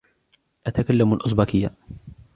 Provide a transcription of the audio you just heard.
أتكلم الأوزبكية.